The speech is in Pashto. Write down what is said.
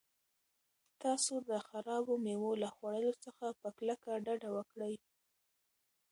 تاسو د خرابو مېوو له خوړلو څخه په کلکه ډډه وکړئ.